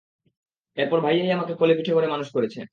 এরপর ভাইয়াই আমাকে কোলে-পিঠে করে মানুষ করেছে।